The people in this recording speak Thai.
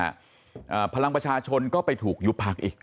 อ่าพลังประชาชนก็ไปถูกยุบพักอีก